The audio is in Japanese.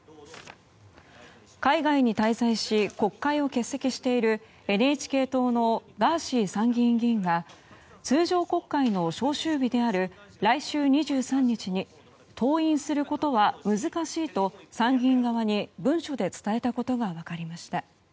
海外に滞在し国会を欠席しているＮＨＫ党のガーシー参議院議員が通常国会の召集日である来週２３日に登院することは難しいと参議院側に文書で伝えたことが分かりました。